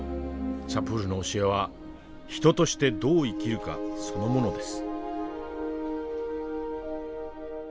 サプールの教えは人としてどう生きるかそのものです。